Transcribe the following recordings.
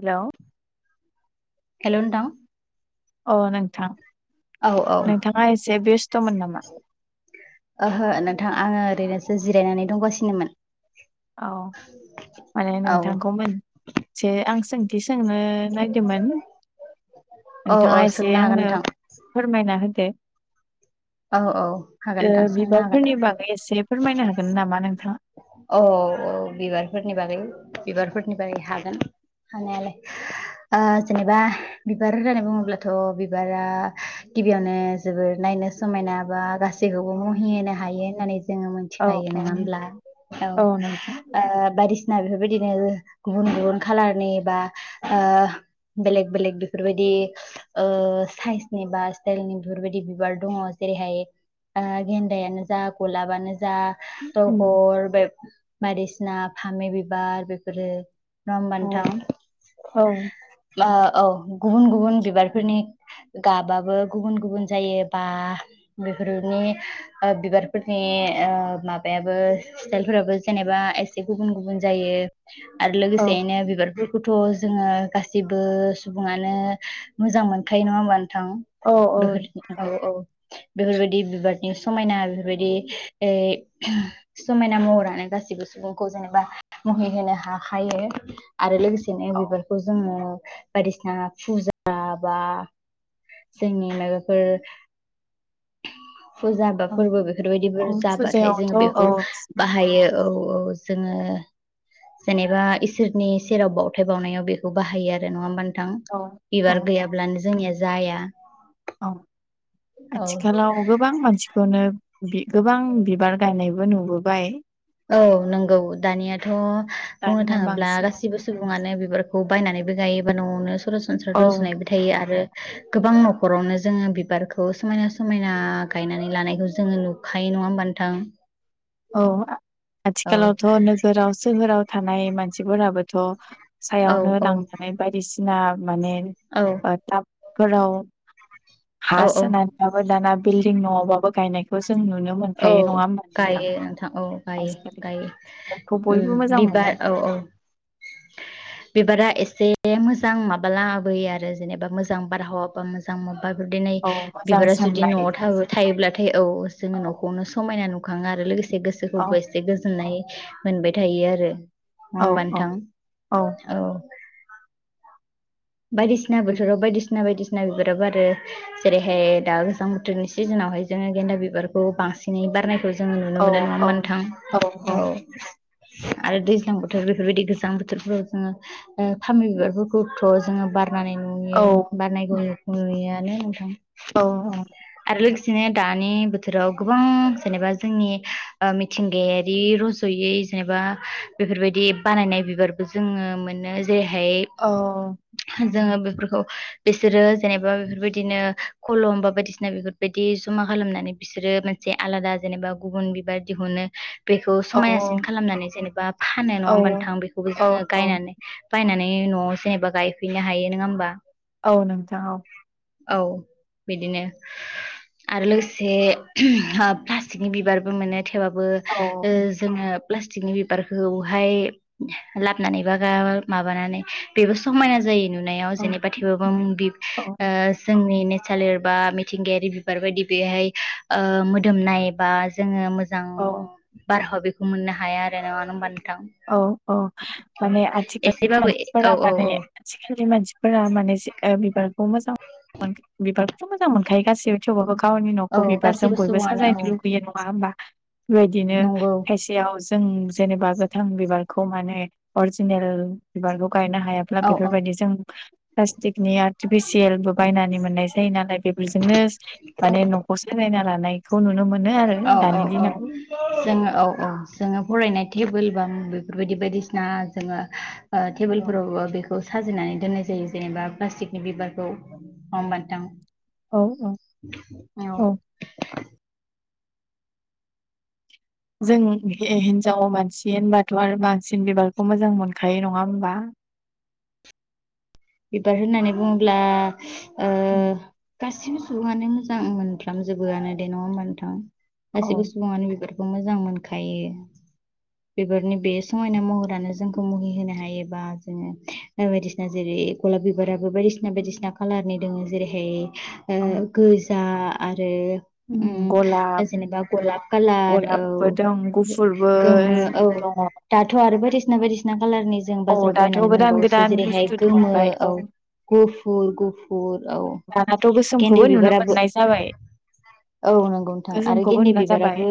हेल' hello नोंथां अ नोंथां औ औ नोंथाङा एसे बेस्थ'मोन नामा? ओहो नोंथां आङो ओरैनोसो जिरायनानै दंगासिनोमोन औ माने औ नोंथांखौ मोनसे आं सोंथि सों जोंनो नायदोंमोन औ औ नोंथाङा एसे सोंनो हागोन आंनो नोंथां फोरमायना होदों। बे औ औ हागोन नोंथां ओ सोंनो हागोन बिबारफोरनि बागै एसे फोरमायनो हागोन नामा नोंथाङा? औ औ बिबारफोरनि बागै बिबारफोरनि बागै हागोन हानायालाय जेनेबा बिबार होननानै बुङोब्लाथ' बिबारा गिबियावनो जोबोर नायनो नो समायना बा गासैखौबो औ मुहि होनो हायो होननानै जोङो औ मिथिखायो औ नङा होमब्ला? औ ओ बा यदिसिना बेफोरबायदिनो गुबुन गुबुन खालारनि बा ओ बेलेग बेलेक बेफोरबायदि ओ साइसनि बा स्टाइलनि बेफोरबायदि बिबार दङ। जेरैहाय ओ गेन्दायानो जा गलाबानो जा [unintelligible] खर बे बायदिसिना फामि बिबार बेफोरो नङा होमबा औ नोंथां? औ औ, गुबुन गुबुन बिबारफोरनि गाबाबो गुबुन गुबुन जायो बा बेफोरनि ओ बिबारफोरनि ओ माबाया बो स्टाइल फोराबो जेनोबा एसे गुबुन गुबुन जायो आरो औ लोगोसेनो बिबारफोर खौथ' जोङो गासैबो सुबुङानो मोजां मोनखायो नङामोन होनबा थां औ बबेफोर औ औ औ। बेफोरबायदि बिबारनि समायना बेफोरबायदि ओ समायना महरानो गासैबो सुबुंखौ जेनोबा मुहि होनो हा हायो आरो लोगो सेनो बिबारखौ जोङो बायदिसिना फुजा बा जोंनि माबाफोर फुजा बा औ फोरबो बेफोरबायदिबो औ जाबाथाय फुजायावथ' जोङो औ औ बेखौ बाहायो। औ औ जोङो जेनोबा इसोरनि सेराव बावथाय बावनायाव बेखौ बाहायो आरो नङा होमबा नोंथां? औ बिबार गैयाब्लानो जोंनिया जाया। औ औ आथिखालाव गोबां मानसिखौनो बि गोबां बिबार गायनायबो नुबोबाय। औ नंगौ दानियाथ' बुंनो दानिया थाङोब्ला बांसिन गासिबो सुबुङानो बिबार खौ बायनानैबो गायोबा न'आवनो सरासनस्रा औ रजनायबो थायो आरो गोबां नखरावनो जोङो बिबारखौ समायना समायना गायनानै लानायखौ जोङो नुखायो नङा होमबा नोंथां? औ आं औ आथिखालावथ' नोगोराव सोहोराव थानाय मानसिफोराबोथ' औ सायावनो औ लांफानाय बायदिसिना माने औ ओ टाबफोराव हा औ औ सोनानैबाबो दाना बिल्डिं न'आव बाबो गायनायखौ जों नुनो औ मोनखायो नङा होमबा नोंथां? औ गायो आजिखालि गायो बेफोरखौ बयबो उम मोजां मोनो बिबार औ औ [inaudible] बिबारा एसे मोजां माबा लाबोयो आरो जेनोबा मोजां बारहावा बा मोजां मा बा बिदिनै औ मोजां बिबारा जुदि साननाय न'आव थाब थायोब्लाथाय औ औ जोङो नखौनो समायना नु खाङो आरो लोगोसे औ गोसोखौबो एसे गोजोननाय मोनबाय थायो आरो नङा औ होमबा औ नोथां? औ। बायदिसिना बोथोराव बायदिसिना बायदिसि ना बिबारा बारो जेरैहाय दा गोजां बोथोरनि सिजोनावहाय जोङो गेन्दा बिबारखौ बांसिनै बारनायखौ जोङो नुनो औ मोनो नङा होमबा नोंथां? औ आरो दैज्लां बोथोर बेफोरबायदि गोजां बोथोरफोराव जोङो ओ फामि बिबारफोरखौ थ' जोङो बारनानै नुयो बारनायखौ औ नुयो आनो नोंथां। औ औ। लोगोसेनो दानि बोथोराव गोबां जेनोबा जोंनि ओ मिथिंगायारि रज यो जेनोबा बेफोरबायदि बानायनाय बिबारबो जोङो मोनो जेरैहाय औ जोङो बेफोरखौ बिसोरो जेनोबा बेफोरबायदिनो खलम बा बायदिसिना बेफोरबायदि ज मा खालामनानै बिसोरो मोनसे आलादा जेनोबा गुबुन बिबार दिहुनो। बेखौ समायसिन खालामनानै जेनोबा फानो नङा औ होनबा नोंथां? बेखौबो औ जोङो औ गायनानै बायनानै न'आव जेनोबा गायफैननो हायो नङा होमबा? औ नोंथां औ। औ बिदिनो आरो लोगोसे ओप्लास्टिकनि बिबारबो मोनो औ थेबाबोओ जोङो प्लासटिकनि बिबारखौहाय लाबोनानै बा माबानानै बेबो समायना जायो नुनायाव औ जेनेबा थेवबाबो उम बि औ जोंनि सालिर बा मिथिंगायारि बिबार बायदि बेहाय मोदोमनाय बा जोङो मोजां औ बारहाव बेखौ मोननो हाया आरो नाङा होमबा नोंथां औ औ माने आथिखालनि एसेबाबो औ मानसिफोरा औ औ माने आथिखालनि मानसिफोरा माने बिबारखौ मोजां मोन बिबारखौथ मोजां मोनखायो गासैबो थेवबाबो गावनि औ नखौ बिबारजों गासिबो बयबो सुबुङानो औ साजायनो लुगैयो नङा होमबा बेबायदिनो नंगौ खायसेयाव जों जेनेबा गोथां बिबारखौ माने अरजिनेल बिबारखौ गायनो हायाब्ला औ औ बेफोर बादि जों प्लासटिकनि आरटिफिसियेल बो बायनानै मोननाय जायोनालाय बे बेजोंनो औ माने नखौ साजायना लानायखौ नुनो मोनो आरो औ औ दानि औ दिनाव जोङो औ औ जोङो फरायनाय टेबोल बाम बेफोरबायदि बायदिसिना जोङोओ टेबोलफोरावबो बे खौ साजायनानै दोननाय जायो जेनेबा प्लास्टिकनि बिबारखौ नङा ओमबा नोंथां औ औ औ जों हिनजाव मानसि होनबाथ' आरो बांसिन बिबारखौ मोजां मोनखायो नङा होमबा बिबार होनना बुङोब्ला उम गासैबो सुबुङानो मोजां मोनफ्रामजोबोआनो दे नङा होमबा नोंथां औ गासिबो सुबुङानो बिबार मोजां मोनखायो बेफोरनि बे समायना महरानो जोंखौ मुहि होनो हायो बा जोङो बायदिसिना जेरै गलाब बिबाराबो बायदिसिना बायदिसिना कलारनि दङो जेरैहाय औ ओह गो गलाब जेनेबा गलाब कालार औ गलाबबो दं गुफुरबो गोमो औ दङ दाथ' आरो बायदिसिना बायदिसिना कालारनि जों औ बाजाराव दाथ' बायनानै गोदान मोनबावोसो गोदान जेरैहाय बुस्थु गोमो दहरबाय औ गुफुर गो फुर दानाथ' औ गोसोमखौबो गेन्दे नुनो बिबाराबो मोननाय जाबाय औ नंगौ नोंथां आरो गोसोमखौबो गेन्दे नुनाय जाबाय बिबाराबो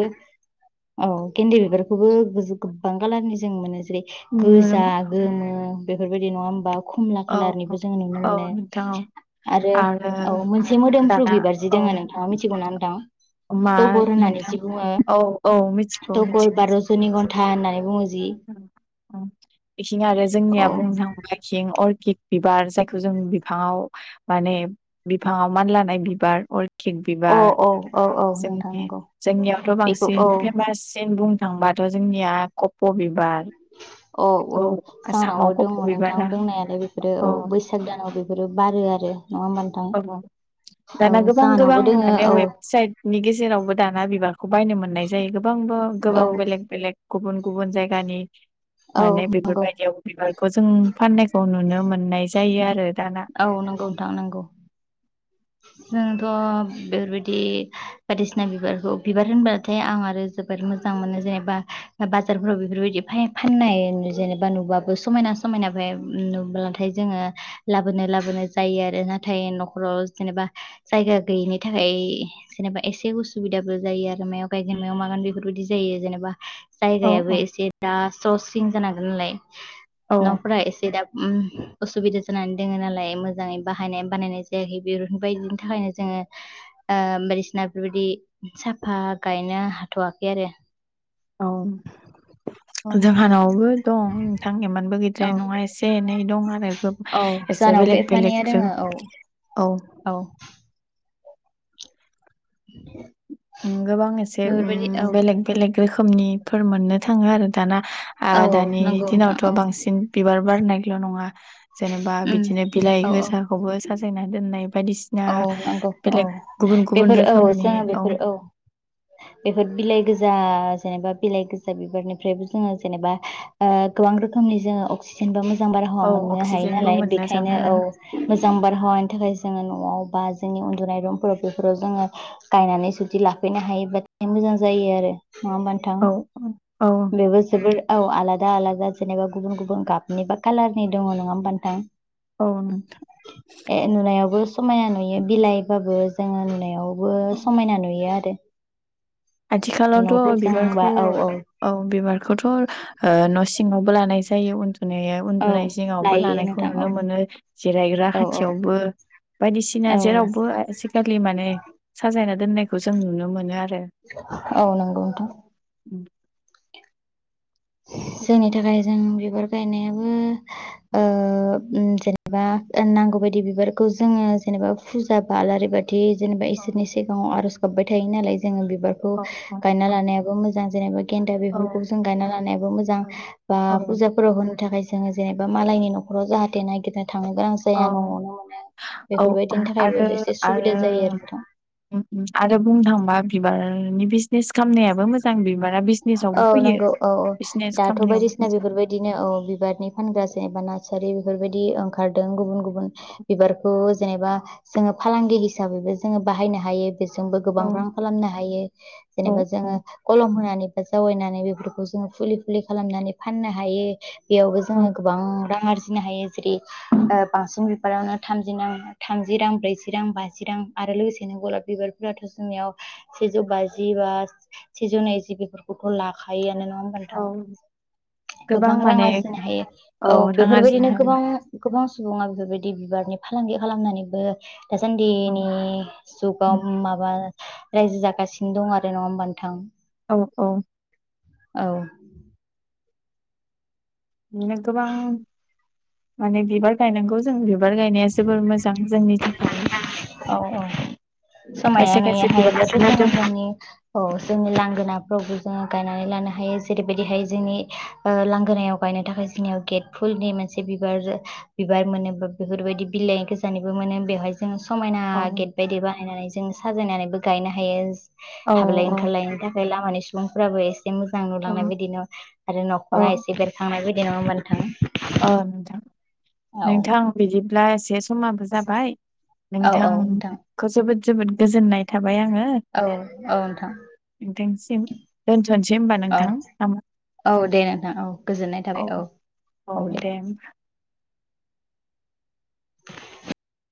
औ गेन्दे बिबारखौबो गो गोबां खालारनि जों मोनो जेरै उम, नुनो गोजा मोन गोमो बेफोरबायदि नङा होमबा खमला औ औ खालारनिबो जोङो नुनो औ मोनो नोंथां औ आरो औ मोनसे मोदोमफ्रु दाना बिबारजि औ दोङो नोंथाङा मिथिगौना मा तगर होननानै नोंथां जि बुङो औ औ मिथिगौ तगर मिथिगौ बा रजनि गन्था होननानै बुङो जि बेथिं आरो औ जोंनिया बुंनो थाङोबा खिं अर्किड बिबार जायखौ जों बिफाङाव माने बिफाङाव मान लानाय बिबार अर अ अ औ औ नोंथां जोंनि नंगौ जोंनियावथ' बेखौ बांसिन औ फेमाससिन बुंनो थांबाथ' जोंनिया कप' बिब बार औ औ जाहानावबो दङ नोंथां बिबारा दंनायालाय बेफोरो औ बैसाग दानाव बेफोरो बारो आरो नङा होमबा नोंथां औ औ दाना गोबां गोबां जाहानावबो दोङो माने औ वेबसाइटनि बेनि गेजेरावबो दाना बिबारखौ बायनो मोननाय जायो गोबांबो औ गोबां बेलेग बेलेग गुबुन गुबुन जायगानि औ माने नंगौ बेफोरबायदियाव बिबारखौ जों फाननाय खौ नुनो मोननाय जायो आरो दाना औ नंगौ नोंथां नंगौ जोंथ' बेफोरबायदि बायदिसिना बिबारखौ बिबार होनबाथाय आं आरो जोबोर मोजां मोनो जे बा बाजारफोराव बेफोरबायदि फानाय जेबा नुबो समायना समायना ओमफ्राय नुब्लाथाय जोङो लाबोनो लाबोनो जायो आरो नाथाय न'खराव जेनेबा जायगा गैयिनि थाखाय जेनेबा एसे उसुबिदाबो जायो आरो मायाव गायगोन मायाव मागोन बेफोरबायदि जायो जेनेबा औ जायगायाबो औ एसे दा स्र' सिं जानांगोन नालाय औ न'फोरा एसे दा ओम असुबिदा जानानै दंङो नालाय मोजाङै बाहायनाय बानायनाय जायाखै। बिर बायदिनि थाखायनो जोङो ओ बायदिसिना बेफोरबायदि साफा गायनो हाथ'वाखै आरो। औ। औ जोंहानावबो दं नोंथां एमानबो गैद्राय औ नंङा एसे एनै दं आरो गोब औ जानावबो एफानैया दंङो औ औ [inaudible] उम गोबां एसे बेफोरबायदि औ उम बेलेग बेलेग रोखोमनिफोर मोननो थांङो आरो दाना आ औ औ दानि नंगौ नोंथां दिनावथ' औ बांसिन बिबार बारनायल' नंङा जेनेबा उम बिदिनो बिलाइ औ औ गोजाखौबो साजायना दोननाय। बायदिसिना औ नंगौ औ बेलेग गुबुन गुबुन बेफोर औ रोखोमनि जोङो औ। बेफोर [inaudible] बेफोर बिलाइ गोजा जेनेबा बिलाइ गोजा बिबारनिफ्रायबो जोंङो जेनेबा ओ गोबां रोखो मनि जोंङो अस्किजेनबा मो जां बारहावा औ मोननो हायो अक्सिजेनबो नालाय मोननो बेखायनो थाङो औ मोजां बारहावानि थाखाय जोङो न'आव बा जोंनि उन्दुनाय रुमफोराव बेफोराव जोङो गायनानै जुदि लाफैनो हायोबाथाय मोजां जायो। बिदि आरो नङा होनबा नोंथां? औ औ बेबो जोबोर औ आलादा आलादा जेनेबा गुबुन गुबुन गाबनि बा कालारनि दंङ नंङा होमबा नोंथां? औ नोंथां। ए नुनायावबो समायना नुयो बिलाइबाबो जोङो नुनायावबो नोंथां। समायना नुयो आरो। आथिखालावथ' न'फोरजोंबा बिबारखौ औ औ। बिबारखौथ' ओ न' सिङावबो लानाय जायो उन दुनायाव औ उन्दुनाय जिङावबो लायो लानायखौ नोंथां औ नुनो मोनो जिरायग्रा औ खाथियावबो। बायदिसिना औ जेरावबो आजिखालि माने साजायना दोननायखौ जों नुनो मोनो आरो। औ नंगौथ'। उम। [inaudible] जोंनि थाखाय जों बिबार गायनायाबो ओ उम जेनेबा नांगौ बे बायदि बिबारखौ जोङो जेनेबा फुजा बा आलारि बा थि जेनेबा इसोरनि सिगाङाव आर'ज गाबबाय थायो नालाय जोङो बिबारखौ औ औ गायना लानायाबो मो जां जेनेबा गेन्दा औ बेफोरखौ जों गायना लानायाबो मोजां बा औ फुजाफोराव होनो थाखाय जोङो जेनेबा मालायनि न'खराव जाहाथे नागिरनो थांनो गोनां औ जाया न'आवनो औ औ बेफोरबायदिनि थाखायबो आरो एसे आरो सुबिदा जायो आरो नोंथां। उम उम आरो बुंनो थांबा बिबारनि बिजनेस खामनायाबो मोजां बिबारा बिज औ नंगौ औ औ दाथ' खालामनायावबो बायदिसिना मोजां बेफोरबायदिनो औ बिबारनि फानग्रा एबा नार्सारि बेफोरबायदि ओंखारदों गुबुन गुबुन बिबारखौ जेनेबा जोङो फालांगि हिसाबैबो जोङो बाहायनो हायो। बेजोंबो औ गोबां रां खालामनो हायो औ जेनेबा जोङो औ कलम होनानै जावायनानै बेफोरखौ जोङो फुलि फुलि खालामनानै फाननो हायो। बेयावबो औ जोङो गोबां रां आरजि नो हायो जेरै ओ बांसिन बिबारावनो थामजि नां थामजि रां ब्रैजि रां बाजि रां आ रो लोगोसेनो गलाब बिबारफोराथ' जोंनियाव सेजौ बाजि बा सेजौ नैजि बेफोर खौथ' लाखायो आनो नंङा होनबा औ नोंथां? गोबां रां आरजिनो हायो औ रां आरजिनो बेफोरबायदिनो हायो गोबां गोबां सुबुंङा बेफोरबायदि बिबारनि फालांगि खालामनानैबो दासान्दिनि औ जुगाव माबा रायजो जागासिनो दं आरो नङा होमबा नोंथां औ औ औ बिदिनो गोबां माने बिबार गायनांगौ जों बे बिबार गायनाया जोबोर मोजां जोंनि थाखाय औ औ समायना खायसे नुयो खायसे हायोब्लाथ बिबारनि जों मोदोम जोंनि औ जोंनि लांगोना फ्रावबो जोङो गायनानै लानो हायो जेरैबायदिहाय जोंनि ओ लांगोनायाव गायनो थाखाय जोंनियाव गेटफोर नि मोनसे बिबार बिबार मोनो बेफोरबायदि बिलाइ गोजानिबो मोनो बेवहाय जों समायना औ गेट बायदि नायनानै जों साजायनानैबो गायनो हायो औ हाबलाय ओंखारलायनायनि थाखाय लामानि सुबुंफोराबो एसे मोजां औ नुलांनाय बायदि नो आरो औ न'खरा एसे बेरखांनाय बायदि नङा होनबा नोंथां औ नोंथां औ नोंथां बिदिब्ला एसे समाबो जाबाय औ औ नोंथां नोंथांखौ जोबोद जोबोद गोजोननाय थाबा औ औ नोंथां नोंथांसिम दोनथ'नोसै होनबा औ नोंथां नामा? औ दे नोंथां औ गोजोननाय थाबाय औ औ दे होमबा